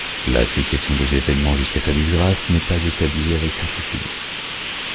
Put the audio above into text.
La succession des évènement jusqu'à sa disgrâce n'est pas établie avec certitude.